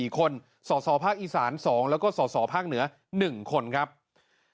กับภาคการเมืองใดทั้งสิ้นจนถึงขนาดนี้